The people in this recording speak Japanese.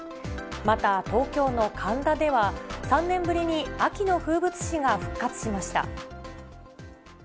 また東京の神田では、３年ぶりに秋の風物詩が復活しました。